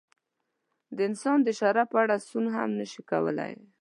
د انسان د شرف په اړه سوڼ هم نشي کولای.